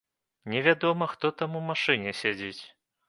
Невядома, хто там у машыне сядзіць.